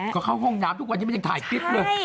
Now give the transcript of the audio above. ก็เข้าห้องน้ำทุกวันนี้มันยังถ่ายคลิปเลย